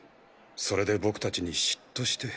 それで僕たちに嫉妬して。